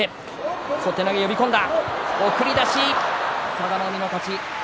佐田の海の勝ち。